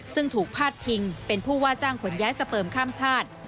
ซึ่งถูกพาดพิงเป็นผู้ว่าจ้างขนย้ายสเปิมข้ามชาติ